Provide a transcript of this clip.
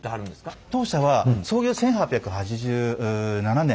当社は創業１８８７年。